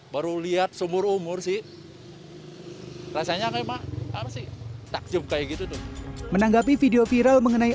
baru lihat sumur umur sih rasanya kayak pak apa sih takjub kayak gitu tuh menanggapi video viral mengenai